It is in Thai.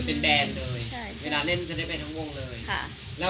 เป็นแดนเลยเวลาเล่นจะได้เป็นทั้งวงเลย